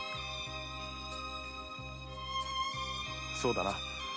そうだな。